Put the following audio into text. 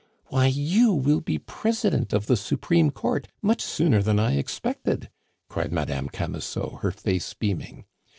Why, you will be President of the Supreme Court much sooner than I expected!" cried Madame Camusot, her face beaming.